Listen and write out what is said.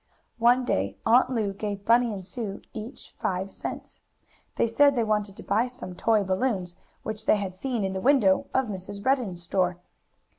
One day Aunt Lu gave Bunny and Sue each five cents. They said they wanted to buy some toy balloons, which they had seen in the window of Mrs. Redden's store.